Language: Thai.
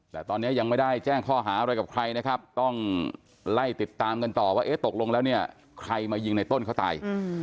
แต่ตอนนี้ยังไม่ได้แจ้งข้อหาอะไรกับใครนะครับต้องไล่ติดตามกันต่อว่าเอ๊ะตกลงแล้วเนี่ยใครมายิงในต้นเขาตาย